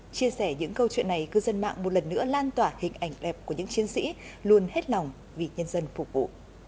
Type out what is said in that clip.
chia sẻ những câu chuyện này cư dân mạng một lần nữa lan tỏa hình ảnh đẹp của những chiến sĩ luôn hết lòng vì nhân dân phục vụ